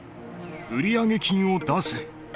売り上げ金を出せ。